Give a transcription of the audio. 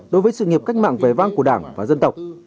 đối với sự nghiệp cách mạng vẻ vang của đảng và dân tộc